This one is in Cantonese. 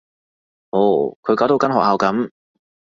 哦，佢搞到間學校噉